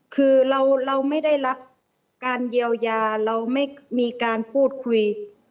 คือเราไม่ได้รับการเยียวยาเราไม่มีการพูดคุย